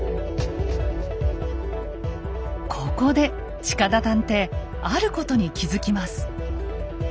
ここで近田探偵あることに気付きます。